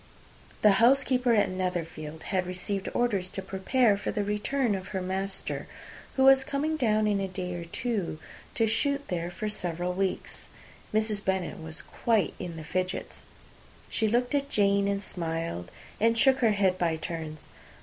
The housekeeper at Netherfield had received orders to prepare for the arrival of her master, who was coming down in a day or two, to shoot there for several weeks. Mrs. Bennet was quite in the fidgets. She looked at Jane, and smiled, and shook her head, by turns.